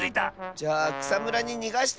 じゃあくさむらににがしてあげよう。